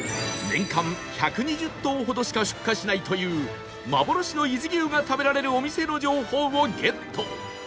年間１２０頭ほどしか出荷しないという幻の伊豆牛が食べられるお店の情報をゲット